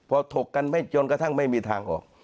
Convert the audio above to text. พอถกกันไม่จนกระทั่งไม่มีทางออก